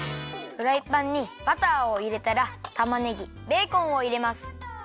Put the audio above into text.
フライパンにバターをいれたらたまねぎベーコンをいれます。